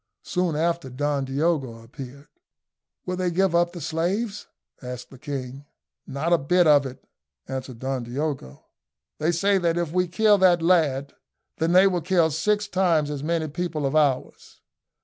Soon after Don Diogo appeared. "Will they give up the slaves?" asked the king. "Not a bit of it," answered Don Diogo. "They say that if we kill that lad, then they will kill six times as many people of ours."